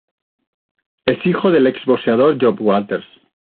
Es hijo de l exboxeador Job Walters.